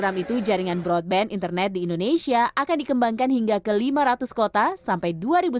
program itu jaringan broadband internet di indonesia akan dikembangkan hingga ke lima ratus kota sampai dua ribu sembilan belas